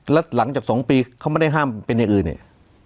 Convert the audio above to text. แล้วหลังจาก๒ปีเขาไม่ได้ห้ามเป็นอย่างอื่นเนี่ย